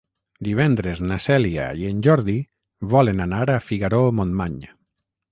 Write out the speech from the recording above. Divendres na Cèlia i en Jordi volen anar a Figaró-Montmany.